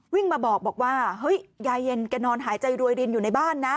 วิ่งมาบอกว่าเฮ้ยยายเย็นแกนอนหายใจรวยดินอยู่ในบ้านนะ